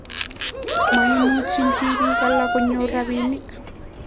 maimuchi tibik alak konyoru robinik